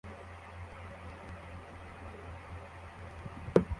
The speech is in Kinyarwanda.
Abakinnyi b'umupira wamaguru b'Abanyamerika